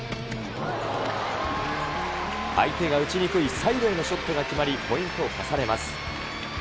相手が打ちにくいサイドへのショットが決まり、ポイントを重ねます。